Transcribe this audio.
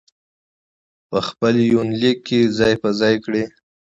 په خپل يونليک کې ځاى په ځاى کړي